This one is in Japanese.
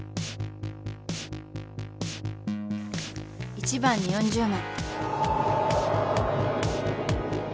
１番に４０枚。